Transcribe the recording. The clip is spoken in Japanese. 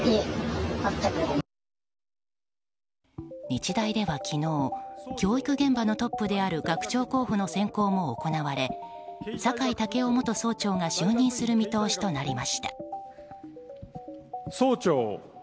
日大では昨日教育現場のトップである学長候補の選考も行われ酒井健夫元総長が就任する見通しとなりました。